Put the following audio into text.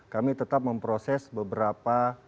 kami tetap memproses beberapa